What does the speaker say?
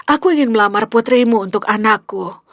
aku ingin melamar putrimu untuk anakku